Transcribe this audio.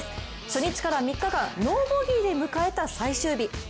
初日から３日間ノーボギーで迎えた最終日。